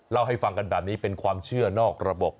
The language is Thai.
เล่าให้ฟังกันแบบนี้เป็นความเชื่อนอกระบบ